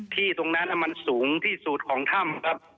ที่ตรงนั้นมันสูงที่สุดของถ้ำครับ